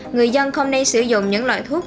người dân không nên sử dụng những loại thuốc